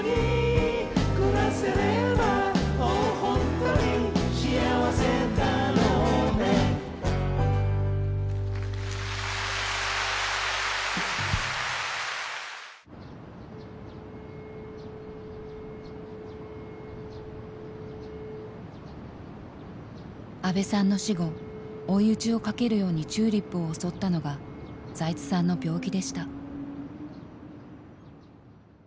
聴いてください安部さんの死後追い打ちをかけるようにＴＵＬＩＰを襲ったのが財津さんの病気でした。